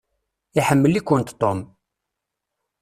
Iḥemmel-ikent Tom.